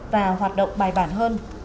và hoạt động bài bản hơn